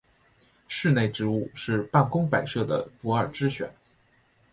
室内植物是办公室摆设的不二之选。